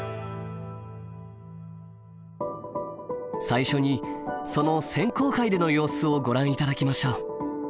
最初にその選考会での様子をご覧頂きましょう。